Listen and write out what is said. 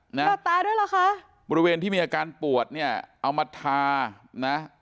หน้าตาด้วยเหรอคะบริเวณที่มีอาการปวดเนี่ยเอามาทานะ